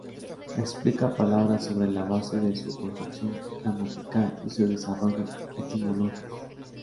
Explica palabras sobre la base de su construcción gramatical y su desarrollo etimológico.